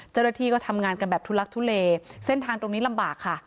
เจ้าหน้าที่ก็ทำงานกันแบบทุลักทุเลเส้นทางตรงนี้ลำบากค่ะ